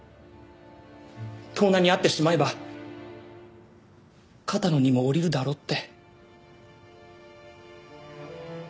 盗難に遭ってしまえば肩の荷も下りるだろうって。